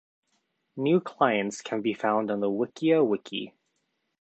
New clients can be found on the Wikia wiki.